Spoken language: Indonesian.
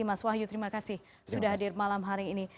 mas wahyu terima kasih sudah hadir malam hari ini